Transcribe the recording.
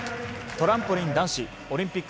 トランポリン男子オリンピック